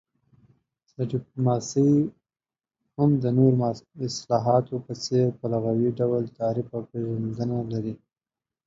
ډيپلوماسي هم د نورو اصطلاحاتو په څير په لغوي ډول تعريف او پيژندنه لري